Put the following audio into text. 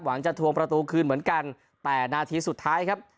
จะทวงประตูคืนเหมือนกันแต่นาทีสุดท้ายครับ